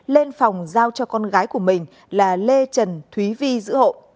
lên phòng giao cho con gái của mình là lê trần thúy vi giữ hộ